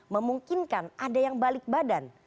memungkinkan ada yang balik badan